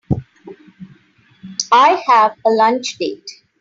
I have a lunch date.